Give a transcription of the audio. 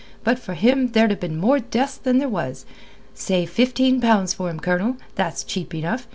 But for him there'd ha' been more deaths than there was. Say fifteen pounds for him, Colonel. That's cheap enough.